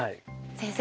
先生